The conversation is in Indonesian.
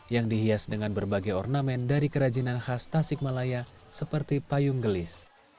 yang dihias dengan berbagai ornamen dari kerajinan khas tasik malaya seperti payung gelis